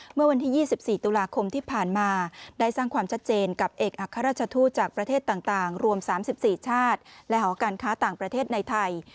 เมื่อวันที่๒๔ตุลาคมที่ผ่านมาได้สร้างความชัดเจนกับเอกอัครราชทูตจากประเทศต่างรวม๓๔ชาติและหอการค้าต่างประเทศในไทย